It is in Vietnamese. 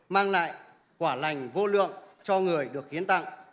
mang lại quả lành vô lượng cho người được hiến tặng